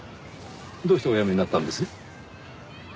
どうしてお辞めになったんです？